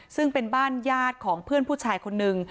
ซึ่งเป็นบ้านญาติของเพื่อนผู้ชายคนนึง